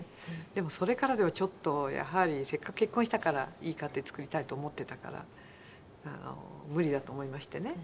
でもそれからではちょっとやはりせっかく結婚したからいい家庭作りたいと思っていたから無理だと思いましてね。